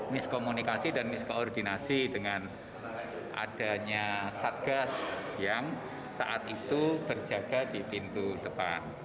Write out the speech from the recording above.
miskomunikasi dan miskoordinasi dengan adanya satgas yang saat itu terjaga di pintu depan